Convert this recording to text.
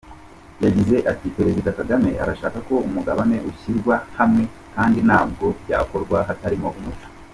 Yagize ati “Perezida Kagame arashaka ko umugabane ushyira hamwe kandi ntabwo byakorwa hatarimo umuco.